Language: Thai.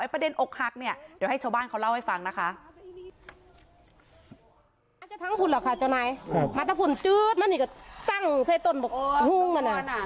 ประเด็นอกหักเนี่ยเดี๋ยวให้ชาวบ้านเขาเล่าให้ฟังนะคะ